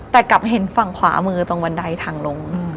แต่กลับเห็นฝั่งขวามือตรงบันไดทางลง